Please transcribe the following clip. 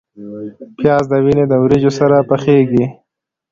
پیاز د وینې د وریجو سره پخیږي